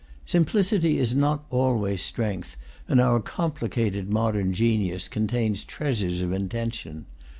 Simplicity is not always strength, and our complicated modern genius contains treasures of intention.